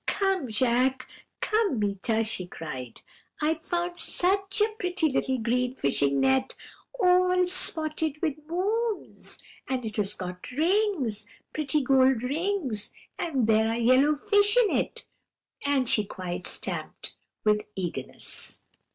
"'Come, Jacques! come, Meeta!' she cried, 'I have found such a pretty little green fishing net, all spotted with moons; and it has got rings, pretty gold rings; and there are yellow fish in it.' And she quite stamped with eagerness.